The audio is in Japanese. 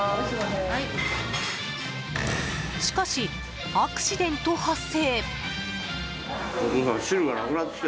しかし、アクシデント発生。